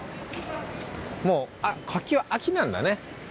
もうあっ柿は秋なんだね。